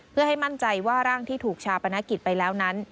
เพื่อให้มั่นใจว่าร่างที่ถูกชาปนกิจไปแล้วนั้น